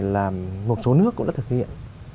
là một số nước cũng đã thực hiện